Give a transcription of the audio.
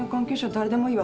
誰でもいいわ。